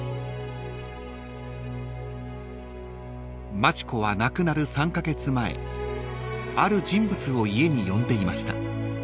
［町子は亡くなる３カ月前ある人物を家に呼んでいました］